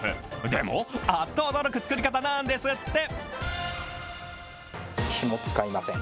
でも、あっと驚く作り方なんですって。